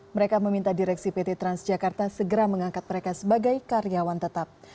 mereka meminta direksi pt transjakarta segera mengangkat mereka sebagai karyawan tetap